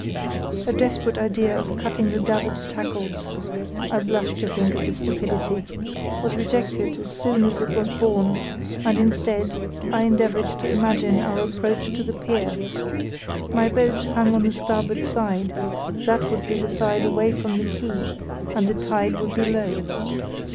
A desperate idea of cutting the davit tackles—I blush to think of the stupidity—was rejected as soon as it was born, and instead, I endeavoured to imagine our approach to the pier. My boat hung on the starboard side; that would be the side away from the quay, and the tide would be low.